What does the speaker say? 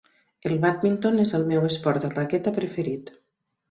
El bàdminton és el meu esport de raqueta preferit.